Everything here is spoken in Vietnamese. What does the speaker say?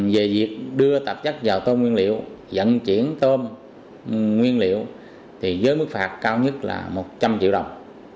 về việc đưa tạp chất vào tôm nguyên liệu dẫn chuyển tôm nguyên liệu thì với mức phạt cao nhất là một trăm linh triệu đồng